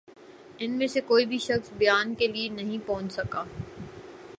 ان میں سے کوئی بھِی شخص بیان کے لیے نہیں پہنچ سکا